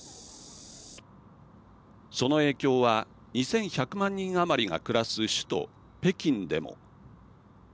その影響は２１００万人余りが暮らす首都・北京でも。